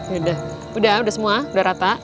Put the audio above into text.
yaudah udah semua udah rata